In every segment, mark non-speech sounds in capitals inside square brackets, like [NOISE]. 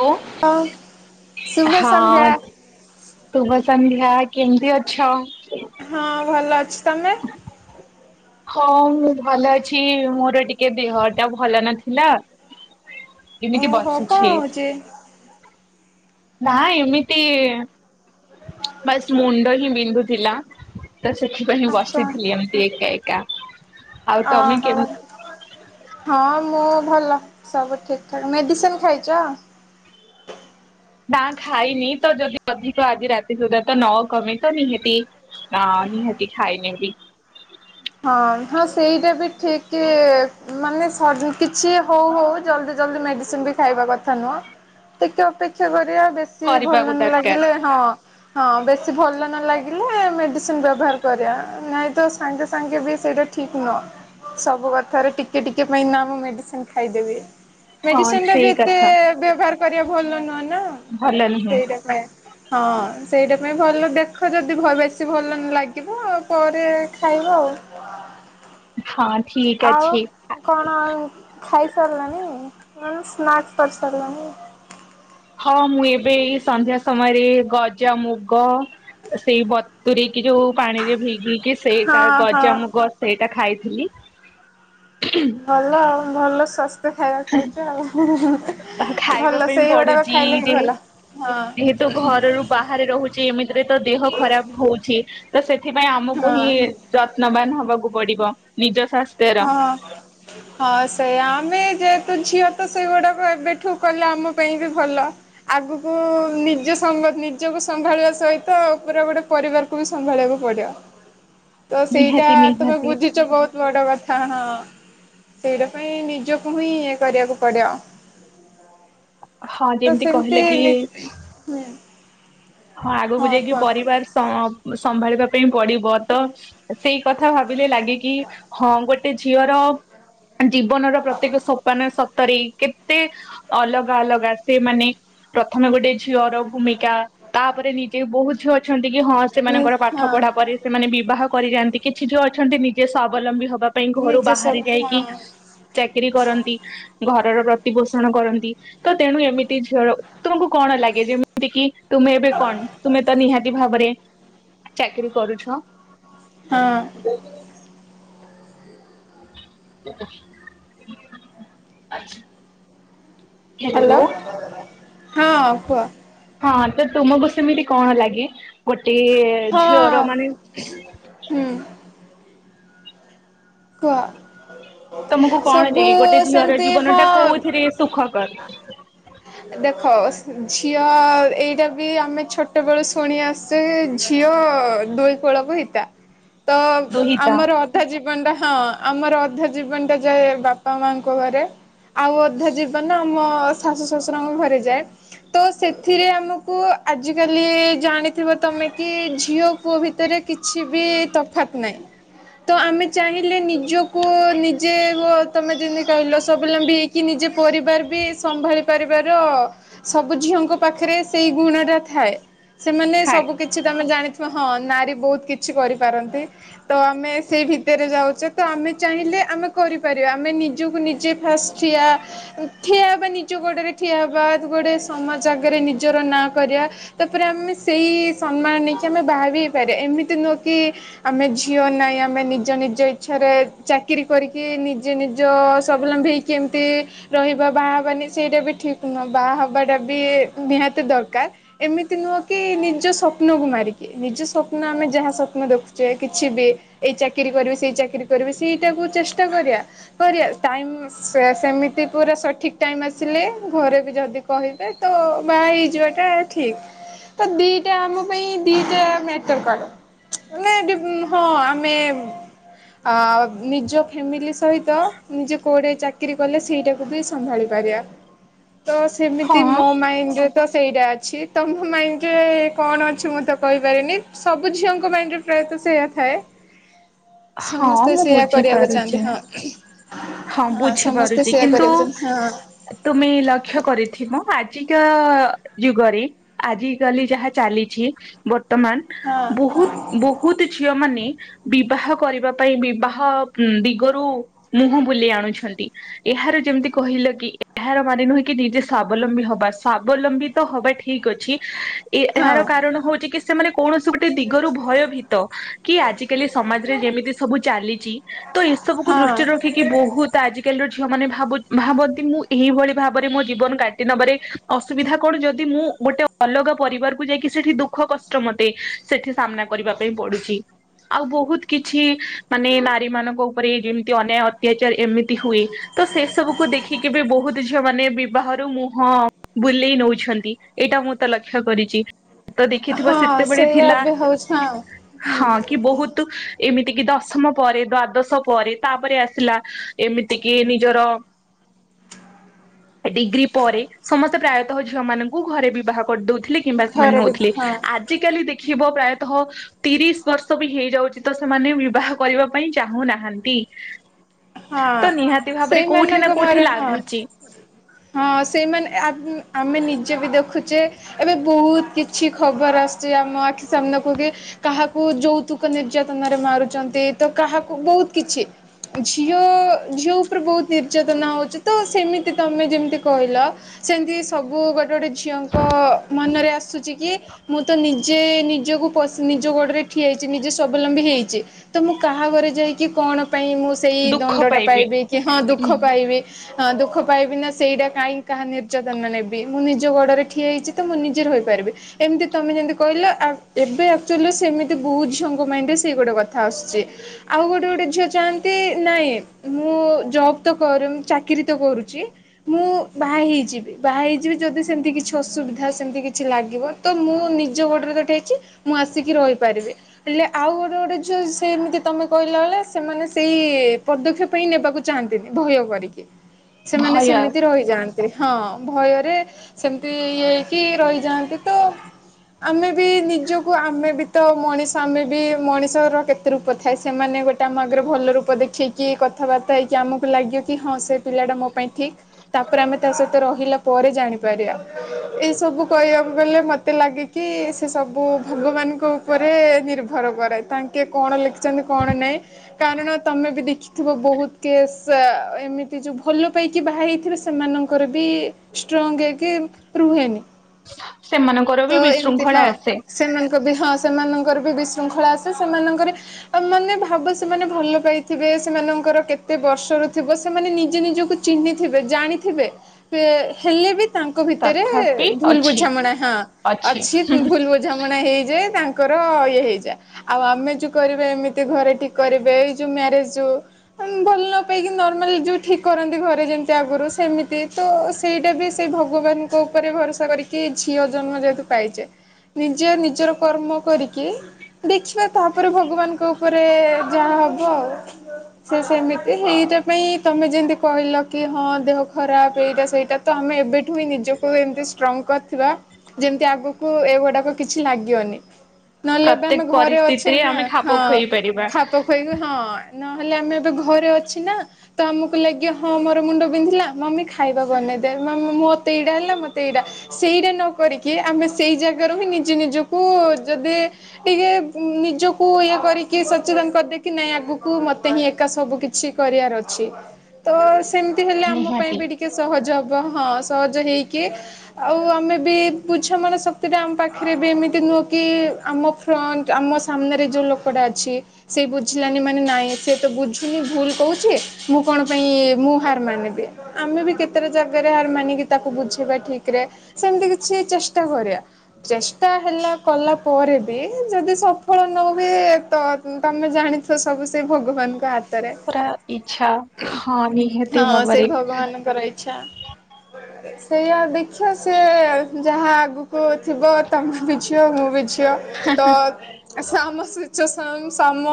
ଓ ସନ୍ଧ୍ୟା। ହଁ ଶୁଭ ସନ୍ଧ୍ୟା କେମିତି ଅଛ । ହଁ ଭଲ ଅଛି ତମେ । ହଁ ମୁଁ ଭଲ ଅଛି ମୋର ଟିକେ ଦେହ ଟା ଭଲ ନଥିଲା । ଏମିତି ଓହୋ କଣ ବସିଛି । ହଉଛି? ନା ଏମିତି । ବାସ୍ ମୁଣ୍ଡ ହିଁ ବିନ୍ଧୁଥିଲା। ତ ସେଥିପାଇଁ ଆଚ୍ଛା ବସିଥିଲି ଏମିତି ଏକା ଏକା । ଓହୋ ହଁ ମୁଁ। ଭଲ ସବୁ ଠିକ ଠାକ ମେଡିସିନ ଖାଇଚ। ନା ଖାଇନି ତ ଯଦି ଅଧିକ ଆଜି ରାତି ସୁଦ୍ଧା ତ ନ କମେ ତ ନିହାତି ଆ । ନିହାତି ଖାଇ ନେବି। ହଁ ହଁ ସେଇଟା ବି ଠିକ କି । ମାନେ ସବୁ କିଛି ହଉ ହଉ ଜଲ୍ଦି ଜଲ୍ଦି ମେଡ଼ିସିନ ବି ଖାଇବା କଥା ନୁହଁ । ଟିକେ ଅପେକ୍ଷା କରିବା ବେଶୀ ଭଲ କରିବାକୁ ନ ଦରକାର ଲାଗିଲେ ହଁ ହଁ ବେଶୀ ଭଲ ନ ଲାଗି ଲେ ମେଡିସିନ ବ୍ୟବହାର କରିବା ନାଇଁ ତ ସାଙ୍ଗେ ସାଙ୍ଗେ ବି ସେଇଟା ଠିକ ନୁହଁ । ସବୁ କଥାରେ ଟିକେ ଟିକେ ପାଇଁ ନା ମୁ ମେଡିସିନ ଖାଇଦେବି । ହଁ ମେଡିସିନ ଟା ବି ସେଇ ଏତେ କଥା। ବ୍ୟବହାର । କରିବା ଭଲ ନୁହଁ ନା ଭଲ ନୁହେଁ ସେଇଟା ପାଇଁ ହଁ । ସେଇଟା ପାଇଁ ଭଲ ଦେଖ ଯଦି ବେଶୀ ଭଲ ନ ଲାଗିବ ଆ ପରେ ଖାଇ ବ । ହଁ । ଆଉ କଣ ଖାଇସାରିଲାଣି । ନା ସ୍ନାକ୍ସ କରି ସାରିଲାଣି । ହଁ ମୁଁ ଏବେ ଏଇ ସନ୍ଧ୍ୟା ସମୟରେ ଗଜା ମୁଗ ସେଇ ବତୁରେଇ । କି ଯୋଉ ପାଣିରେ ଭିଗିକି ସେଇଟା ହଁ ହଁ। ଗଜାମୁଗ ସେଇଟା ଖାଇଥିଲି । ଭଲ ଆଉ ଭଲ ସ୍ୱାସ୍ଥ୍ୟ ଖାଇବା ଖାଇଛ ଆଉ । ତାହା ଖାଇବା ପାଇଁ ପଡୁଛି ଯେ ହଁ। ଯେହେତୁ ଘରରୁ ବାହାରେ ରହୁଛି ଏମିତିରେ ତ । ତ ଦେହ ଖରାପ ହଉଛି । ତ ସେଥିପାଇଁ ଆମକୁ ହଁ। ହିଁ ଯତ୍ନବାନ ହବାକୁ ପଡିବ ନିଜ । ହଁ ହଁ ସେଇଆ ଆମେ ଯେ । ତ ଝିଅ ତ ସେଇଗୁଡାକ ଏବେଠୁ କଲେ ଆମ ପାଇଁ ବି ଭଲ ଆଗକୁ ନିଜ ସମ । ନିଜକୁ ସମ୍ଭାଳିବା ସହିତ ପୁରା ଗୋଟେ ପରିବାରକୁ ବି ସମ୍ଭାଳିବାକୁ ପଡିବ । ତ ସେଇଟା ନିହାତି ତମେ ନିହାତି ବୁଝିଛ ବହୁତ ବଡ କଥା । ହଁ ହଁ ସେଇଟା ପାଇଁ ନିଜକୁ ହିଁ ଇଏ କରିବାକୁ ପଡିବ । ହଁ ତ ଯେମିତି କହିଲେ ସେମିତିି କି ହଁ । ହଁ ଆଗକୁ ଯାଇକି ପରିବାର ସମ୍ଭାଳିବା ପାଇଁ ପଡିବ ତ । ସେଇ କଥା ଭାବିଲେ ଲାଗିକି ହଁ ଗୋଟେ ଝିଅର । ଜୀବନର ପ୍ରତ୍ୟେକ ସୋପାନ । ରେ କେତେ ଅଲଗା ଅଲଗା ସେ ମାନେ ପ୍ରଥମେ ଗୋଟେ । ଝିଅର ଭୂମିକା ତାପରେ ନିଜେ ବହୁତ । କି ହଁ ନି ସେମାନଙ୍କର ପାଠ ହଁ। ପଢା ପରେ ସେମାନେ ବିବାହ କରି ଯାଆନ୍ତି କିଛି ଯୋଉ ଅଛନ୍ତି ନିଜେ ସ୍ୱାବଲମ୍ବୀ ହବ । ବାବା ପାଇଁ ଘରୁ ନିଜେ ବାହାରି ସବୁ ଯାଇକି ହଁ ଚାକିର କରନ୍ତି ଘରର ପ୍ରତିପୋଷଣ କରନ୍ତି ତ ତେଣୁ ଏମିତି ଝିଅ ତମକୁ କଣ ଲାଗେ ଯେମିତି କି । କଣ ତୁମେ ତ ନିହାତି ଭାବରେ ଚାକିରୀ କରୁଛ । ହଁ। ଆ ହ। ହ୍ୟାଲୋ ହଁ କୁହ। ହଁ ତ ତୁମକୁ ସେମିତି କଣ ଲାଗେ ଗୋଟେ । ଏ ହଁ ଝିଅର ମାନେ । ହୁଁ କହ । ତମକୁ କଣ ଲାଗେ ଗୋଟେ ଝିଅର ସେମିତି ଜୀବନ ଟା ହଁ କୋଉଥିରେ ସୁଖକର । ଦେଖ । ଝିଅ ଏଇଟା ବି ଆମେ ଛୋଟବେେଳୁ ଶୁଣି ଆସୁଛେ ଝିଅ ଦୁଇ । ଳ ହେଇତା ତ ଦୁହିତା। ଆମର ଅଧା ଜୀବନ ଟା । ହଁ ଆମର ଅଧା ଜୀବନ ଟା ଯାଏ ବାପା ମାଙ୍କ ଘରେ । ଆଉ ଅଧା ଜୀବନ ଆମ ଶାଶୁ ଶଶୁରଙ୍କ ଘରେ ଯାଏ । ତ ସେଥିରେ ଆମକୁ ଆଜିକାଲି ଜାଣିଥିବ ତମେ କି ଝିଅ ପୁଅ ଭିତରେ । କିଛି ବି ତଫାତ ନାହିଁ ତ ଆମେ ଚାହିଁଲେ ନିଜକୁ ନିଜେ । ଯେ ହୁ ତୁମେ ଯେମିତି କହିଲ ସବୁ ଲମ୍ବି ହେଇକି ନିଜେ ପରିବାର ବି ସମ୍ଭାଳି ପାରିବାର । ସବୁ ଝିଅଙ୍କ ପାଖରେ ସେଇ ଗୁଣ ଟା ଥାଏ ସେମାନେ ହାଏ ସବୁ କିଛି ତମେ ଜାଣି । ହଁ ନାରୀ ବହୁତ କିଛି କରିପାରନ୍ତି ତ ଆମେ ସେଇ ଭିତ । ଭିତରେ ଯାଉଛେ ତ ଆମେ ଚାହିଁଲେ ଆମେ କରିପାରିବା ଆମେ ନିଜକୁ ନିଜେ ଫାଷ୍ଟ ଠିଆ । ଠିଆ ହେବା ନିଜ ଗୋଡ଼ରେ ଠିଆ ହେବା ଗୋଟେ ସମାଜ ଆଗରେ ନିଜର ନାଁ କରିବା ତାପରେ ଆମେ । ସେଇ ସମ୍ମାନ ନେଇକି ଆମେ ବାହାରି ହେଇପାରିବା ଏମିତି ନୁହେଁ କି ଆମେ ଝିଅ ନାହିଁ ଆମେ ନିଜ । ନିଜ ନିଜ ଇଚ୍ଛାରେ ଚାକିର କରିକି ନିଜେ ନିଜ ସବଲମ୍ବୀ ହେଇକି ଏମିତି ରହିବା । ବାହା ହେବାନି ସେଇଟା ବି ଠିକ ନୁହଁ ବାହା ହବାଟା ବି ନିହାତି ଦରକାର ଏମିତି ନୁହଁ କି । ନିଜ ସ୍ୱପ୍ନକୁୁ ମାରିକି ନିଜ ସ୍ୱପ୍ନ ଆମେ ଯାହା ସ୍ୱପ୍ନ ଦେଖୁଛେ କିଛି ବି ଏଇ ଚାକି । ଚାକିରି କରିବି ସେଇ ଚାକିରରି କରିବି ସେଇଟାକୁ ଚେଷ୍ଟା କରିବା କରିବା ଟାଇମ ସେମିତି ପୁରା । ସଠିକ ଟାଇମ ଆସିଲେ ଘରେ ବି ଯଦି କହିବେ ତ ବାହା ହେଇଯିବା ଟା ଠିକ । ତ ଦିଟା ଆମ ପାଇଁ ଦିଟା ମ୍ୟାଟର କରେ । ଏ ହଁ ଆମେ ଆ ନିଜ ଫ୍ୟାମିଲି ସହିତ ନିଜେ କୋଉଠେ ଚାକିରି କଲେ ସେଇଟାକୁ ବି ସମ୍ଭାଳି ପାରିବା । ତ ହଁ ସେମିତି ମୋ ମାଇଣ୍ଡରେ । ତ ସେଇଟା ଅଛି ତ ମୋ ମାଇଣ୍ଡରେ କଣ ଅଛି ମୁଁ ତ କହିପାରିନି ସବୁ ଝିଅଙ୍କ ମାଇଣ୍ଡ ରେ ତ ସେଇୟା ଥାଏ ହଁ ସମସ୍ତେ ମୁଁ ସେଇୟା କରିବାକୁ ବୁଝିପାରୁଛି। ଚାହାନ୍ତି ହଁ। ହଁ ସମସ୍ତେ ବୁଝିପାରୁଛି ସେୟା କିନ୍ତୁ କରିବାକୁ ଚାହାଁନ୍ତି ହଁ। ତୁମେ ଲକ୍ଷ୍ୟ କରିଥିବ ଆଜି। ଯୁଗରେ ଆଜିକାଲି ଯାହା ଚାଲିଛି ବର୍ତ୍ତମାନ ହଁ ବହୁତ ବହୁତ ଝିଅ ମାନେ ବିବାହ କରିବା ପାଇଁ ବିବାହ ଦିଗରୁ ମୁହଁ ବୁଲି ଆଣୁଛନ୍ତି ଏହାର ଯେମିତି କହି କି ଏହାର ମାନେ ନୁହେଁ କି ନିଜେ ସ୍ୱାବଲମ୍ବୀ ହବା ସ୍ଵାବଲମ୍ବୀ ତ ହବା ଠିକ ଅଛି। ଏ ହଁ ଏହାର କାରଣ ହଉଛି କି ସେମାନେ କୌଣସି ଗୋଟେ ଦିଗରୁ ଭୟଭୀତ କି ଆଜିକାଲି ସମାଜ ଯେମିତି ସବୁ ଚାଲିଛି ତ ଏସବୁକୁ ହଁ ଦୃଷ୍ଟିରେ ରଖିକି ବହୁତ ଆଜିକାଲି ର ଝିଅ ମାନେ ଭାବନ୍ତି ମୁଁ ଏଇଭଳି ଭାବରେ ମୋ ଜୀବନ କାଟି ନବାରେ ଅସୁବିଧା କଣ ଯଦି ମୁଁ ଗୋଟେ ଅଲଗା ପରିବାରକୁ ଯାଇକି ସେଠି ଦୁଃଖ କଷ୍ଟ ମତେ ସେଠି ସାମ୍ନା କରିବା ପାଇଁ ପଡୁଛି। ଆଉ ବହୁତ କିଛି ମାନେ ନାରୀ ମାନଙ୍କ ଉପରେ ଯେମତି ଅନ୍ୟାୟ ଅତ୍ୟାଚାର ଏମିତି ହୁଏ ତ ସେ ସବୁ କୁ ଦେଖିକି ବି ବହୁତ ଝିଅ ମାନେ ବାହାରୁ ମୁହଁ ବୁଲେଇ ନଉଛନ୍ତି ଏଇଟା ମୁଁ ତ ଲକ୍ଷ୍ୟ କରିଛି। ତ ଦେଖିଥିବା ହଁ ସେତେବେଳେ ସେଇଆ ଥିଲା ଏବେ ହଉଛି ହଁ। ହଁ ହୁଁ କି ବହୁତ ଏମିତି କିି ଦଶମ ପରେ ଦ୍ଵାଦଶ ପରେ ତାପରେ ଆସିଲା ଏମିତି କିି ନିଜର [UNINTELLIGIBLE] ଡିଗ୍ରୀ ପରେ ସମସ୍ତେ ପ୍ରାୟତଃ ଝିଅ ମାନଙ୍କୁ ଘରେ ବିବାହ କରିଦଉ ଥିଲେ କିମ୍ବା ସେମାନେ ଘରେ ବି ହଉଥିଲେ ହଁ ଆଜିିକାଲି ଦେଖିବ ପ୍ରାୟତଃ ତିରିଶ ବର୍ଷ ବି ହେଇଯାଉଛି ତ ସେମାନେ ବିବାହ କରିବା ପାଇଁ ଚାହୁଁନାହାନ୍ତି ହଁ ତ ନିହାତି ଭାବରେ କୋଉଠି ସେଇମାନଙ୍କ ନା କୋଉଠି ମୁହଁରେ ହଁ ଲାଗୁଛି ହଁ ସେଇମାନେ ଆମେ ନିଜେ ବି ଦେଖୁ ଯେ ଏବେ ବହୁତ କିଛି ଖବର ଆସୁଛି ଆମ ଆଖି ସାମ୍ନାକୁ କି କାହାକୁ ଯୌତୁକ ନିର୍ଯାତନ ରେ ମାରୁଛନ୍ତି ତ କାହାକୁ ବହୁତ କିଛି ଝିଅ ଝିଅ ଉପରେ ବହୁତ ନିର୍ଯାତନା ହଉଛି ତ ସେମିତି ତମେ ଯେମିତି କହିଲ ସେମ୍ ତି ସବୁ ଗୋଟେ ଗୋଟେ ଝିଅଙ୍କ ମନରେ ଆସୁଛି କି ମୁଁ ତ ନି ଯେ ନିଜକୁ ନିଜ ଗୋଡ଼ରେ ଠିଆ ହେଇଛି ନିଜେ ସ୍ୱାବଲମ୍ବୀ ହେଇଛି ତ ମୁଁ କାହା ଘରେ ଯାଇକି କ କଣ ପାଇଁ ମୁଁ ସେଇ ଦଣ୍ଡ ଟା ପାଇବି କି ହଁ ଦୁଃଖ ପାଇବି। ହଁ ଦୁଃଖ ପାଇବି ନା ସେଇଟା କାଇହିଁ କାହା ନିର୍ଯାତନା ନେବି ମୁଁ ନିଜ ଗୋଡରେ ଠିଏ ହେଇଛି ତ ମୁଁ ନିଜେ ରହିପାରିବି। ଏମତି ତମେ ଯେମିତି କହିଲ ଏବେ ଏକ୍ଟୁଆଲୀ ସେମିତି ବହୁ ଝିଅଙ୍କ ମାଇଣ୍ଡ ରେ ସେଇ ଗୋଟେ କଥା ଆ ସୁଛି ଆଉ ଗୋଟେ ଗୋଟେ ଝିଅ ଚାହା ନ୍ତୀ ନାଇଁ ମୁଁ ଜବ୍ ତ ଚାକିରୀ ତ କରୁଛି ମୁଁ ବାହା ହେଇ ଯିବି ବାହା ହେଇଯିବି ଯଦି ସେମିତି କିଛି ଅସୁବିଧା ସେମିତି କିଛି ଲାଗିବ ତ ମୁଁ ନିଜ ଗୋଡ଼ରେ ତ ଠିଆ ହେଇଛି। ମୁଁ ଆସିକି ରହିପାରିବି ହେଲେ ଆଉ ଗୋଟେ ଗୋଟେ ଝିଅ ସେମିତି ତମେ କହିଲା ଭଲିଆ ସେମାନେ ସେଇ ପଦକ୍ଷେପ ହିଁ ନେବାକୁ ଚାହାନ୍ତିନି ଭୟ କରିକି ସେମାନେ ଭୟ ସେମିତି ରହିଯାଆନ୍ତି। ହଁ ଭୟରେ ସେମିତି ଇଏ ହେଇକି ରହିଯାଆନ୍ତି ତ। ଆମେ ବି ନିଜକୁ ଆମେ ବି ତ ମଣିଷ ଆମେ ବି ମଣିଷର କେତେ ରୂପ ଥାଏ ସେମାନେ ଗୋଟେ ଆମ ଆଗରେ ଭଲ ରୂପ ଦେଖେଇକି କଥାବାର୍ତ୍ତା ହେଇ ଆମକୁ ଲାଗ କି ହଁ ସେ ପିଲାଟା ମୋ ପାଇଁ ଠିକ ତାପରେ ଆମେ ତା ସହିତ ରହିଲା ପରେ ଜାଣିପାରିବା ଏଇ ସବୁ କହିବାକୁ ଗଲେ ମତେ ଲାଗେ କି ସେ ସ ବୁ ଭଗବାନଙ୍କ ଉପରେ ନିର୍ଭର କରେ ତାଙ୍କେ କଣ ଲେଖିଛନ୍ତି କଣ ନାହିଁ କାରଣ ତମେ ବି ଦେଖିଥିବ ବହୁତ କେସ୍ ଏମିତି ଯୋଉ ଭଲ ପାଇକି ବାହା ହେଇଥିବ ସେମାନ ମାନଙ୍କର ଭି ଷ୍ଟ୍ରଙ୍ଗ ହେଇକି ରୁହେନି। ସେମାନଙ୍କର ବି ତ ଏମିତି ବିଶୃଙ୍ଖଳା ହଁ ଆସେ ସେମାନଙ୍କ ବି ହଁ ସେମାନଙ୍କର ବି ବିଶୃଙ୍ଖଳା ଆସେ ସେମାନଙ୍କର ଆ ମାନେ ଭାବ ସେମାନେ ଭଲ ପାଇଥିବେ ସେମାନଙ୍କର କେତେ ବର୍ଷରୁ ଥିବ ସେମାନେ ନିଜେ ନିଜକୁ ଚିହ୍ନିଥିବେ ଜାଣି ଥିବେ ହେଲେ ବି ତାଙ୍କ ଭିତରେ ତଥାପି ଭୁଲ ଅଛି ବୁଝାମଣା ହଁ ଅଛି ଭୁଲ ବୁଝାମଣା ହେଇଯାଏ ତା ତାଙ୍କର ଇଏ ହେଇଯାଏ, ଆଉ ଆମେ ଯୋଉ କରିବା ଏମିତି ଘରେ ଠିକ୍ କରିବେ ଏଇ ଯୋଉ ମ୍ୟାରେଜ ଯୋଉ ଭଲ ନ ପାଇକି ନର୍ମାଲ ଯୋଉ ଠିକ କରନ୍ତି ଘରେ ଯେମିତି ଆଗରୁ ସେମିତି ତ ସେଇଟା ବି ସେଇ ଭଗବାନଙ୍କ ଉପରେ ଭରସା କରିକି ଝିଅ ଜନ୍ମ ଯେହେତୁ ପାଇଛେ ନିଜେ ନିଜର କର୍ମ କରିକି ଦେଖିବା ତାପରେ ଭଗବାନଙ୍କ ଉପରେ ଯାହା ହବ ଆଉ ସେ ସେମିତି ହେଇଟା ପାଇଁ ତମେ ଯେମିତି କହିଲ କି ହଁ ଦେହ ଖରାପ ଏଇଟା ସେଇଟା ତ ଆମେ ଏବେଠୁ ହିଁ ନିଜକୁ ଏମତିଷ୍ଟ୍ରଙ୍ଗ କରିଥିବା ଯେମତି ଆଗକୁ ଗୁଡାକ କିଛି ଲାଗିବନି ନହେଲେ ଏବେ ପ୍ରତ୍ୟେକ ଆମେ ଘରେ ଅଛେ ପରିସ୍ଥିତିରେ ନା ଆମେ ଖାପ ହଁ। ଖୁଆଇ ପାରିବା ଖାପ ଖୁଆକି ହଁ ନହେଲେ ଆମେ ଏବେ ଘରେ ଅଛ ତ ଆମକୁ ଲାଗିବ ହଁ ମୋର ମୁଣ୍ଡ ବିନ୍ଧିଲା ମାମି ଖାଇବା ବନେଇ ଦେ ମମି ମତେ ଏଇଟା ହେଲା ମତେ ଏଇଟା ସେଇଟା ନ କରିକି ଆମେ ସେଇ ଜାଗାରୁ ହିଁ ନିଜେ ନିଜକୁ ଯଦି ଟିକେ ନିଜକୁ ଇଏ କରିକି ସଚେତନ କରିଦେକ କି ନାଇଁ ଆଗକୁ ମତେ ହିଁ ଏକା ସବୁ କିଛି କରିବାର ଅଛି ତ ସେମିତି ହେଲେ ଆମ ପାଇଁ ନିହାତି ବି ଟିକେ ସହଜ ହବ । ହଁ ସହଜ ହେଇକି ଆଉ ଆମେ ବି ବୁଝାମଣା ଶକ୍ତି ଟା ଆମ ପାଖରେ ବି ଏମିତି କି ଆମ ଫ୍ରଣ୍ଟ ଆମ ସାମ୍ନାରେ ଯୋଉ ଲୋକଟା ଅଛି ସେଇ ବୁଝିଲାନି ମାନେ ନାଇଁ ସେ ତ ବୁଝୁନି ଭୁଲ କହୁଛି ମୁଁ କଣ ପାଇଁ ମୁଁ ହାର ମାନିବି? ଆମେ ବି କେତେଟା ଜାଗାରେ ହାର ମାନ କିି ତାକୁ ବୁଝେଇବା ଠିକ ରେ ସେମିତି କିଛି ଚେଷ୍ଟା କରିବା ଚେଷ୍ଟା ହେଲା କଲା ପରେ ବି ଯଦି ସଫଳ ନହୁଏ ତ ତମେ ଜାଣିଥିବ ସବୁ ସେଇ ଭଗବାନଙ୍କ ହା ପୁରା ଇଚ୍ଛା ହଁ ନିହାତି ହଁ ସେଇ ଭାବରେ ଭଗବାନଙ୍କର ଇଚ୍ଛା । ସେଇଆଉ ଦେଖିଅ ସିଏ ଯାହା ଆଗକୁ ଥିବ ତମ ବି ଝିଅ ମୁଁ ବି ଝିଅ ତ ଆମ ସିଚୁଏସନ ସମ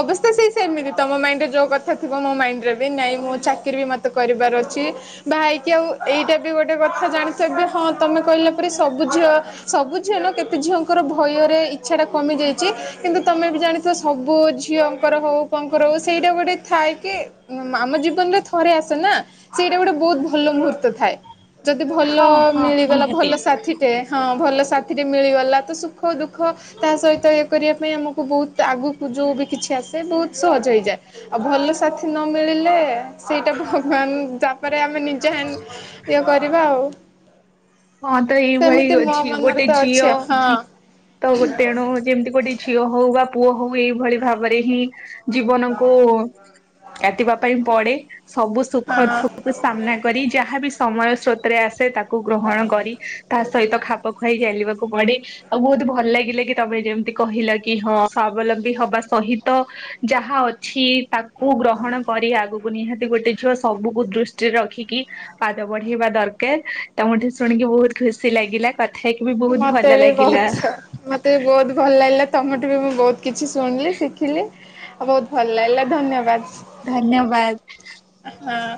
ଅବସ୍ଥା ସେଇ ସେମିତି ତମ ମାଇଣ୍ଡରେ ଯୋଉ କଥା ଥିବ ମୋ ମାଇଣ୍ଡ ରେ ବି ନାହିଁ ମୁଁ ଚାକିର ବି ମ କରିବାର ଅଛି ବାହା ହେଇକି ଆଉ ଏଇଟା ବି ଗୋଟେ କଥା ଜାଣିଥା ଏବେ ହଁ ତମେ କହିଲା ପରେ ସବୁ ଝିଅ, ସବୁ ଝିଅ ନୁହେଁ କେତେ ଝିଅଙ୍କର ଭୟ ରେ ଇଛା ଟା କମି ଯାଇଛି କିନ୍ତୁ ତମେ ବି ଜା ତ ସବୁ ଝିଅଙ୍କର ହଉ ପୁଅଙ୍କର ହଉ ସେଇଟା ଗୋଟେ ଥାଏ କି ଆମ ଜୀବନ ରେ ଥରେ ଆସ ନା ସେଇଟା ଗୋଟେ ବହୁତ ଭଲ ମୁହୂର୍ତ୍ତ ଥାଏ ଯଦି ଭଲ ହଁ ହଁ ମିଳିଗଲା ନିହାତି ଭଲ ସାଥିଟେ ହଁ ଭଲ ସାଥିଟେ ମିଳିଗଲା ତ ସୁଖ ଦୁଃଖ ତା ସହିତ ଇଏ କରିବା ପାଇଁ ଆମକୁ ବହୁତ ଆଗକୁ ଯଉଁ ବି କିଛି ଆସେ ବହୁତ ସହଜ ହେଇଯାଏ ଆଉ ଭଲ ସାଥି ନ ମିଳିଲେ ସେଇଟା ଭଗବାନ ତାପରେ ଆମେ ନିଜେ ଇଏ କରିବା ଆଉ ହଁ ତ ଏଇଭଳି ସେମିତି ମୋ ଅଛି ମନରେ ଗୋଟେ ତ ଅଛି ଝିଅ ଆଉ ହଁ ତ ତେଣୁ ଯେମିତି ଗୋଟେ ଝିଅ ହଉ ବା ପୁଅ ହଉ ଏଇଭଳି ଭାବରେ ହିଁ ଜୀବନକୁ କାଟିବା ପାଇଁ ପଡେ ସବୁ ସୁଖ ହଁ ଦୁଃଖକୁ ସାମ୍ନା କରି ଯାହାବି ସମୟ ସ୍ରୋତରେ ଆସେ ତାକୁ ଗ୍ରହଣ କରି ତା ସହିତ ଖାପ ଖୁଆଇ ଚାଲିବା ପଡେ ଆଉ ବହୁତ ଭଲ ଲାଗିଲା କି ତମେ ଯେମତି କହିଲ କି ହଁ ସ୍ଵବଲମ୍ବୀ ହବା ସହିତ ଯାହା ଅଛି ତାକୁ ଗ୍ରହଣ କରି ଆଗକୁ ନିହାତି ଗୋଟେ ଝିଅ ସବୁକୁ ଦୃଷ୍ଟିରେ ରଖି ପାଦ ବଢେଇବା ଦରକାର ତମଠୁ ଶୁଣିକି ବହୁତ ଖୁସି ଲାଗିଲା କଥା ହେଇକି ବି ବହୁତ ମତେ ଭଲ ବି ଲାଗିଲା। ବହୁତ ମତେ ବି ବହୁତ ଭଲ ଲାଗିଲା ତମଠୁ ବି ମୁଁ ବହୁତ କିଛି ଶୁଣିଲି ଶିଖିଲି ଆଉ ବହୁତ ଭଲ ଲାଗିଲା ଧନ୍ୟବାଦ । ଧନ୍ୟବାଦ । ହଁ।